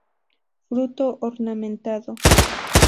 Fruto ornamentado.